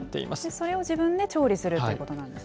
それを自分で調理するということなんですね。